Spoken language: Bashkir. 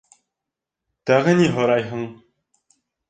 - Тағы ни һорайһың?